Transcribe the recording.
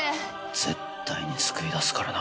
絶対に救い出すからな。